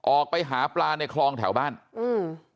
ออกไปหาปลาในคลองแถวบ้านอืม